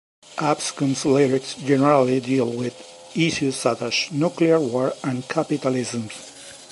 Avskum's lyrics generally deal with issues such as nuclear war and capitalism.